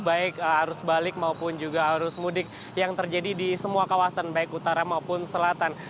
baik arus balik maupun juga arus mudik yang terjadi di semua kawasan baik utara maupun selatan